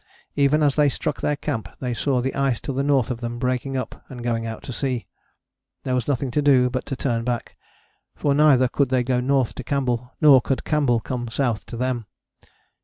Even as they struck their camp they saw the ice to the north of them breaking up and going out to sea. There was nothing to do but to turn back, for neither could they go north to Campbell nor could Campbell come south to them.